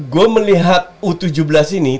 gue melihat u tujuh belas ini